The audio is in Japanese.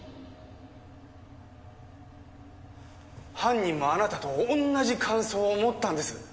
犯人もあなたと同じ感想を持ったんです。